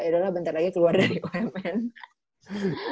yaudah lah bentar lagi keluar dari umn